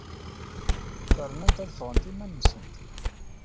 Fernent ad ffɣent iman-nsent.